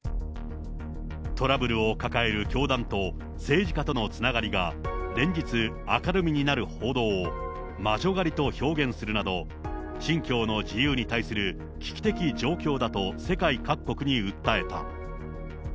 トラブルを抱える教団と政治家とのつながりが、連日、明るみになる報道を魔女狩りと表現するなど、信教の自由に対する危機的状況だと世界各国に訴えた。